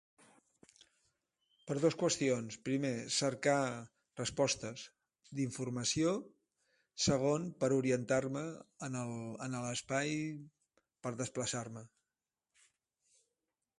Per dos qüestions. Primer, cercar respostes d'informació, segon, per orientar-me en el en el espai, per desplaçar-me.